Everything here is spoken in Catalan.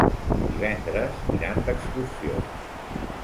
Divendres iran d'excursió.